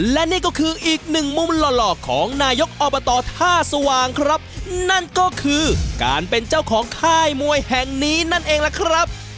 และนี่ก็คืออีกหนึ่งมุมหล่อหล่อของนายกอบตท่าสว่างครับนั่นก็คือการเป็นเจ้าของค่ายมวยแห่งนี้นั่นเองล่ะครับ